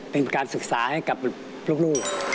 เป็นการศึกษาให้กับลูก